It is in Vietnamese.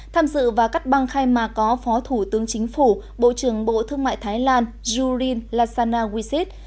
tham dự và cắt băng khai mạc có phó thủ tướng chính phủ bộ trưởng bộ thương mại thái lan jurin lashana wisit